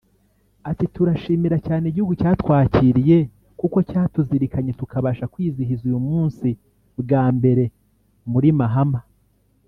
Ati “Turashimira cyane igihugu cyatwakiriye kuko cyatuzirikanye tukabasha kwizihiza uyu munsi bwa mbere muri Mahama